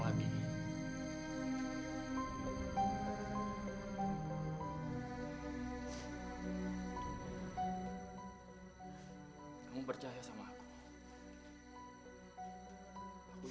kamu percaya sama aku